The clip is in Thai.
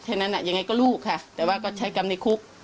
แค่นั้นยังไงก็ลูกค่ะแต่ว่าก็ใช้กรรมในคุก